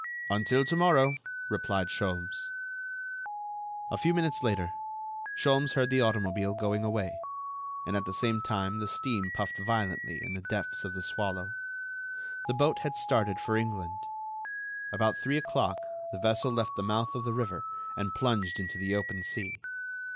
"Until to morrow," replied Sholmes. A few minutes later Sholmes heard the automobile going away, and at the same time the steam puffed violently in the depths of The Swallow. The boat had started for England. About three o'clock the vessel left the mouth of the river and plunged into the open sea.